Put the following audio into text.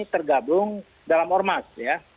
tergabung dalam ormas ya